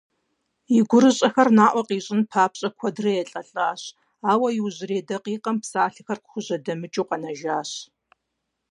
И гурыщӀэхэр наӏуэ къищӏын папщӏэ куэдрэ елӏэлӏащ, ауэ иужьрей дакъикъэм псалъэхэр къыхужьэдэмыкӏыу къэнэжащ.